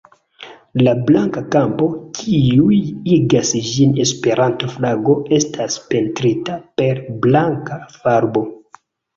La blanka kampo, kiuj igas ĝin Esperanto-flago, estas pentrita per blanka farbo.